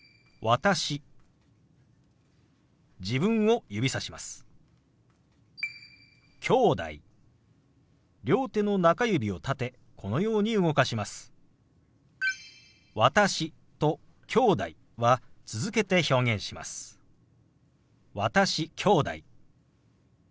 「私」「きょうだい」。